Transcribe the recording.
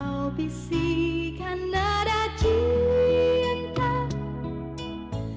kau bisikan nada cinta